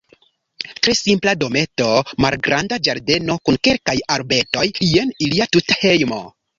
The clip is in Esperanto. Tre simpla dometo, malgranda ĝardeno kun kelkaj arbetoj, jen ilia tuta hejmo.